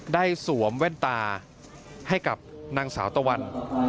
สวมแว่นตาให้กับนางสาวตะวัน